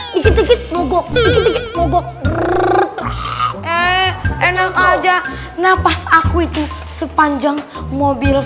dikit dikit mogok dikit dikit mogok eh enak aja napas aku itu sepanjang mobil